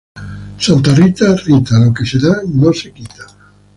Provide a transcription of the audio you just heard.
Santa Rita, Rita, lo que se da ya no se quita